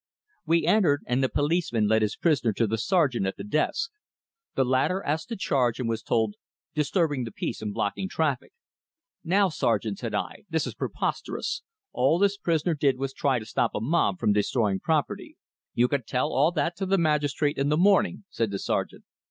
We entered, and the policeman led his prisoner to the sergeant at the desk. The latter asked the charge, and was told, "Disturbing the peace and blocking traffic." "Now, sergeant," said I, "this is preposterous. All this prisoner did was to try to stop a mob from destroying property." "You can tell all that to the magistrate in the morning," said the sergeant.